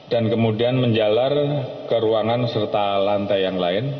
dan kemudian menjalar ke ruangan serta lantai yang lain